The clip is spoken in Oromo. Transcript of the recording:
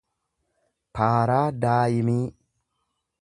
paaraadaayimii